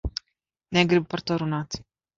Negribu par to runāt.